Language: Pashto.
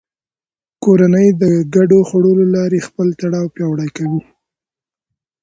کورنۍ د ګډو خوړو له لارې خپل تړاو پیاوړی کوي